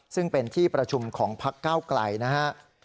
ซึ่งเป็นที่ประชุมของพักเก้าไกลนะครับ